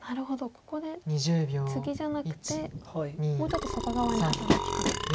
ここでツギじゃなくてもうちょっと外側に働きかけてと。